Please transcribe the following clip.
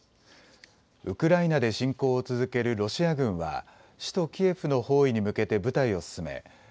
ウクライナで侵攻を続けるロシア軍は首都キエフの包囲に向けて部隊を進め